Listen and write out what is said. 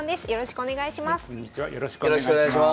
よろしくお願いします。